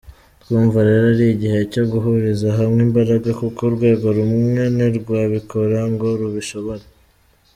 Twumva rero ari igihe cyo guhuriza hamwe imbaraga kuko urwego rumwe ntirwabikora ngo rubishobore.